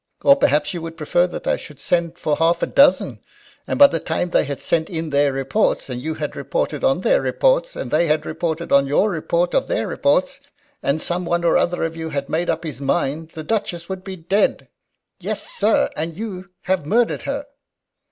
Or perhaps you would prefer that I should send for half a dozen? And by the time that they had sent in their reports, and you had reported on their reports, and they had reported on your report of their reports, and some one or other of you had made up his mind, the Duchess would be dead. Yes, sir, and you'd have murdered her!"